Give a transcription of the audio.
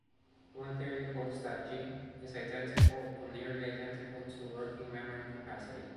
One theory holds that "g" is identical or nearly identical to working memory capacity.